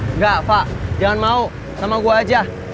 enggak pak jangan mau sama gue aja